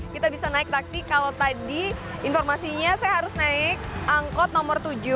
kita bisa naik taksi kalau tadi informasinya saya harus naik angkot nomor tujuh